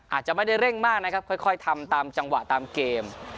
อาจจะไม่ได้เร่งมากนะครับค่อยทำตามจังหวะตามเกม